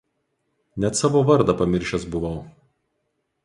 net savo vardą pamiršęs buvau